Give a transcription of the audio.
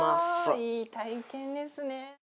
いい体験ですね。